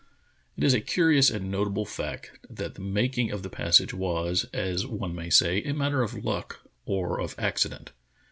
It is a curious and notable fact that the making of the passage was, as one may saj' , a matter of luck or of accident.